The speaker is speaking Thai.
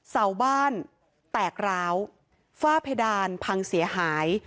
เสาบ้านแตกร้าวฝ้าเพดานพังเสียหาย